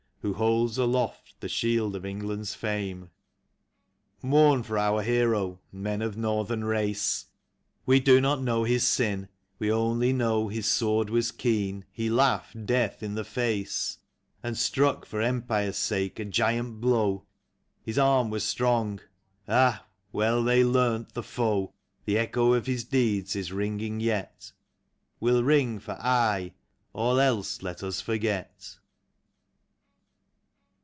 Who holds aloft the shield of England's fame. "FIGHTING MAC." 69 Mourn for our herO;, men of Xorthern race ! We do not know his sin; we only know His sword was keen. He laughed death in the face, And struck, for Empire's sake, a giant blow. His arm was strong. Ah ! well they learnt, the foe. The echo of his deeds is ringing yet, Will ring for aye. All else ... let us forget.